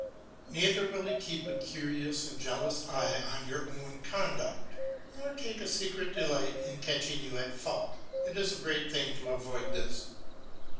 Neither will he keep a curious and jealous eye on your own conduct, nor take a secret delight in catching you at fault. It is a great thing to avoid this.